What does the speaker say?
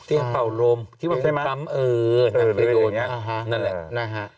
เตียงเป่าลมคิดว่ามีปั๊มเออหักเตียงโดนนั่นแหละ